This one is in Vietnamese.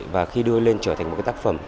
và khi đưa lên trở thành một cái tác phẩm